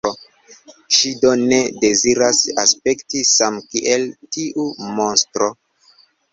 Ŝi do ne deziras aspekti samkiel tiu monstro.